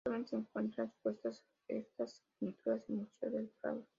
Actualmente se encuentran expuestas estas pinturas en el Museo del Prado.